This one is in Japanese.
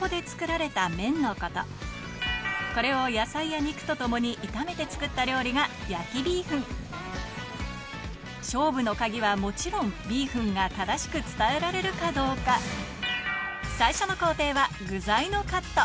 これを野菜や肉とともに炒めて作った料理が勝負の鍵はもちろんビーフンが正しく伝えられるかどうかウソ